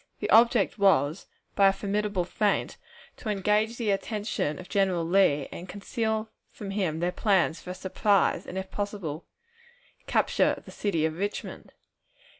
The object was, by a formidable feint, to engage the attention of General Lee, and conceal from him their plans for a surprise and, if possible, capture of the city of Richmond.